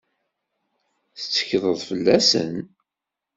Tettekleḍ fell-asen?